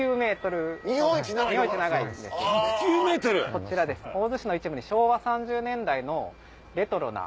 こちら大洲市の一部に昭和３０年代のレトロな。